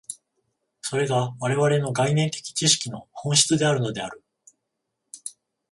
それが我々の概念的知識の本質であるのである。